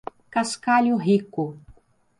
Cascalho Rico